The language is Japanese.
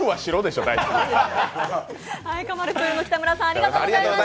ありがとうございます。